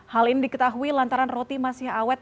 hal ini diketahui lantaran roti masih awet